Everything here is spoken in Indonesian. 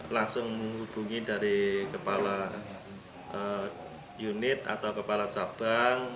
langsung menghubungi dari kepala unit atau kepala cabang